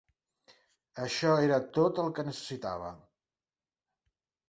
Això era tot el que necessitava.